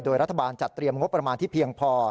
โดยรัฐบาลจัดเตรียมงบประมาณที่เพียงพอ